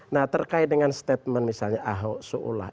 nah terkait dengan statement misalnya ahok seolah